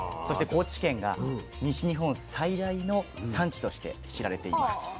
そして高知県が西日本最大の産地として知られています。